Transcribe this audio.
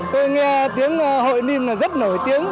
tôi nghe tiếng hội điêm là rất nổi tiếng